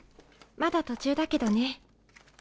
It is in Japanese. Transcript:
まだ途中だけどね。